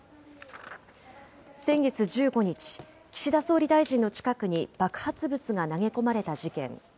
先月１５日、岸田総理大臣の近くに爆発物が投げ込まれた事件。